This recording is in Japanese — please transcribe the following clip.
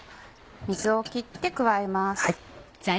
水を切って加えます。